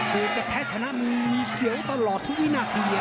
แท้ชนะมันมีเสี่ยงตลอดที่หน้าเทียม